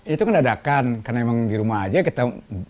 itu kan dadakan karena emang di rumah aja kita